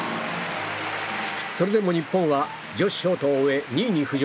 それでも日本は女子ショートを終え２位に浮上。